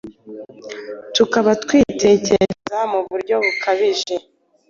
tukaba twitekereza mu buryo bukabije,